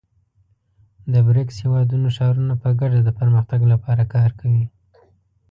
د بریکس هېوادونو ښارونه په ګډه د پرمختګ لپاره کار کوي.